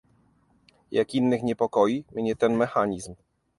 Jak innych, niepokoi mnie ten mechanizm